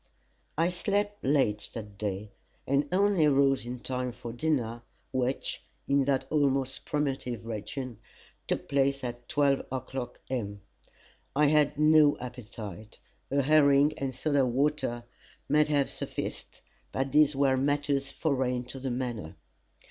I slept late that day, and only rose in time for dinner, which, in that almost primitive region, took place at 12 o'clock, M. I had no appetite. A herring and soda water might have sufficed, but these were matters foreign to the manor.